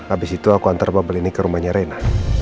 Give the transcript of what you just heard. abis itu aku antar bubble ini ke rumahnya rena